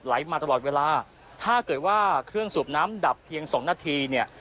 มาตลอดเวลาถ้าเกิดว่าเครื่องสูบน้ำดับเพียงสองนาทีเนี่ย